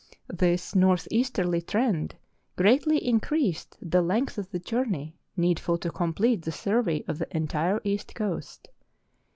This northeasterly trend greatly increased the length of the journey needful to complete the survey of the entire east coast.